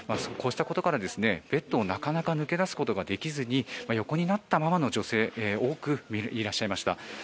こうしたことから、ベッドをなかなか抜け出すことができずに横になったままの女性多くいらっしゃいました。